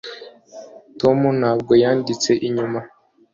tom ntabwo yanditse inyuma